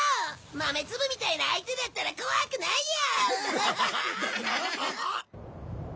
豆粒みたいな相手だったら怖くないや！